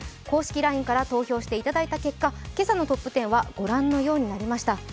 公式ＬＩＮＥから投票していただいた結果、今朝のトップ１０は御覧のようになりました。